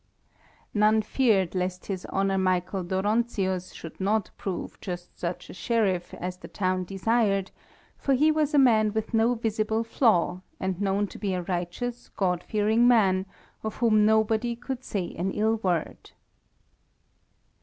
] None feared lest his Honour Master Dóronczius should not prove just such a Sheriff as the town desired, for he was a man with no visible flaw, and known to be a righteous, God fearing man, of whom nobody could say an ill word.